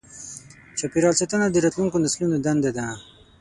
چاپېریال ساتنه د راتلونکو نسلونو دنده ده.